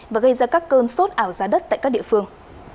và gây ra các cơn sốt ảo giá đất tại các địa phương